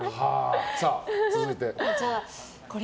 続いて。